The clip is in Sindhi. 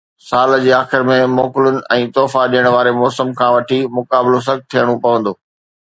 سال جي آخر ۾ موڪلن ۽ تحفا ڏيڻ واري موسم کان وٺي، مقابلو سخت ٿيڻو پوندو